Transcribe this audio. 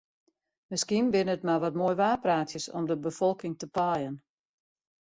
Miskien binne it mar wat moaiwaarpraatsjes om de befolking te paaien.